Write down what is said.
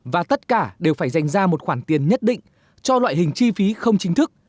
và tất cả đều phải dành ra một khoản tiền nhất định cho loại hình chi phí không chính thức